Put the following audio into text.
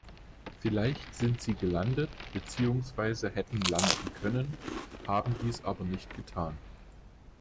Vielleicht sind sie gelandet beziehungsweise hätten landen können, haben dies aber nicht getan.